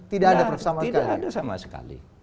tidak ada sama sekali